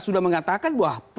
sudah mengatakan bahwa